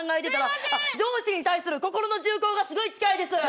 上司に対する、心の銃口がすごい近いです。